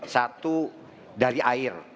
satu dari air